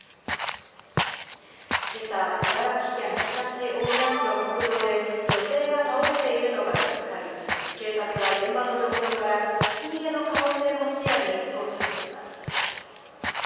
けさ、茨城県常陸大宮市の国道で、女性が倒れているのが見つかり、警察は現場の状況から、ひき逃げの可能性も視野に捜査しています。